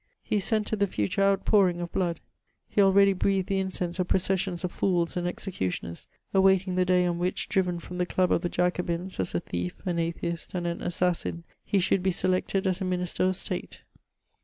He scented the future out pouring of blood ; he already breathed the incense of processions of fools and executionerSi awaiting the day on which, driven from the dub of the Jacobins as a thie^ an atheist, and an assassin, he should be selected as a minister of state.